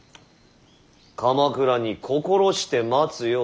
鎌倉に心して待つよう伝えろ。